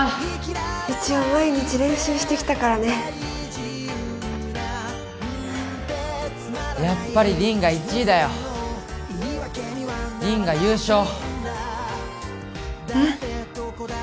一応毎日練習してきたからねやっぱり凛が１位だよ凛が優勝！えっ？